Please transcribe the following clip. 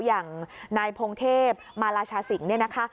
อย่างนายพงเทพมาราชาศิกร์